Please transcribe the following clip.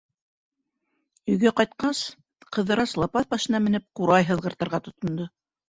Өйгә ҡайтҡас, Ҡыҙырас лапаҫ башына менеп ҡурай һыҙғыртырға тотондо.